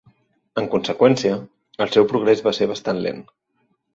En conseqüència, el seu progrés va ser bastant lent.